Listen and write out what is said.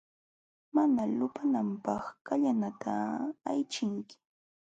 Mana lupananpaq kallanata aychinki.